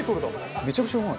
めちゃくちゃうまい。